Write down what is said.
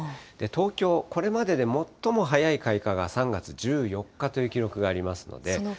東京、これまでで最も早い開花が３月１４日という記録がありますので。